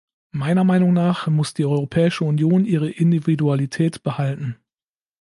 Meiner Meinung nach muss die Europäische Union ihre Individualität behalten.